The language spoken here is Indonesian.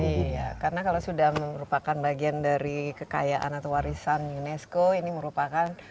iya karena kalau sudah merupakan bagian dari kekayaan atau warisan unesco ini merupakan